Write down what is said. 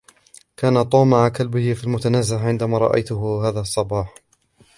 كان توم مع كلبه في المتنزه عندما رأيته هذا الصباح.